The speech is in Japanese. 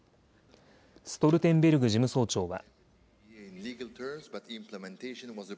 ストルテンベルグ事務総長は。